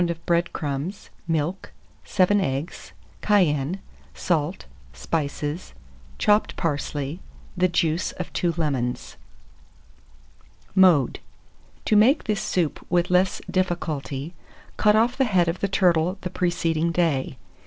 of bread crumbs, milk, 7 eggs, cayenne, salt, spices, chopped parsley, the juice of 2 lemons. Mode. To make this soup with less difficulty, cut off the head of the turtle the preceding day.